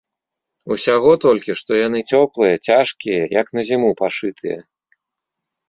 Усяго толькі, што яны цёплыя, цяжкія, як на зіму пашытыя.